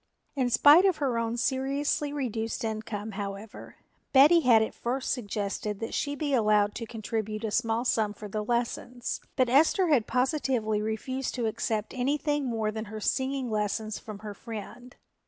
In spite of her own seriously reduced income, however, Betty had at first suggested that she be allowed to contribute a small sum for the lessons, but Esther had positively refused to accept anything more than her singing lessons from her friend.